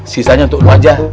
sisanya untuk lu aja